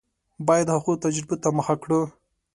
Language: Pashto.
باید هغو تجربو ته مخه کړو.